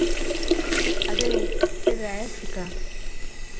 Adéu, Pedra Èlfica!